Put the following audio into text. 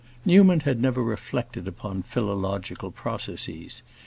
Newman had never reflected upon philological processes.